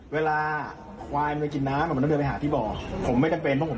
เวลาควายมันจะกินน้ำแต่มันต้องเดินไปหาที่บ่ผมไม่จำเป็น